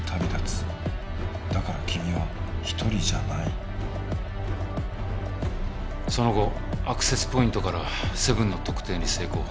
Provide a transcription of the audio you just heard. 「だから君は一人じゃない」その後アクセスポイントからセブンの特定に成功。